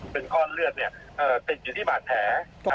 เป็นคลอดเลือดเนี่ยเต็ดอยู่ที่บาดแผล